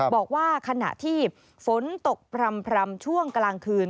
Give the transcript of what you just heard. บอกว่าขณะที่ฝนตกพร่ำช่วงกลางคืน